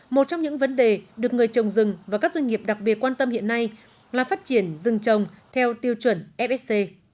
một trong những vấn đề được người trồng rừng và các doanh nghiệp đặc biệt quan tâm hiện nay là phát triển rừng trồng theo tiêu chuẩn fsc